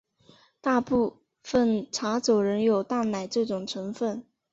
大部份茶走仍有淡奶这种成份。